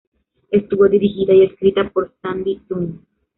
Estuvo dirigida y escrita por Sandy Tung.